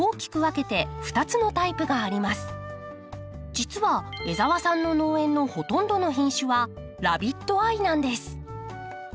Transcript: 実は江澤さんの農園のほとんどの品種はラビットアイなんです。